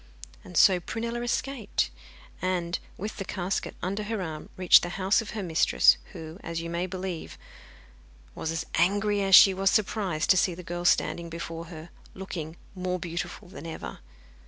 And so Prunella escaped, and, with the casket under her arm, reached the house of her mistress, who, as you may believe, was as angry as she was surprised to see the girl standing before her, looking more beautiful than ever.